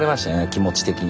気持ち的に。